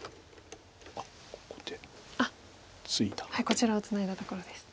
こちらをツナいだところです。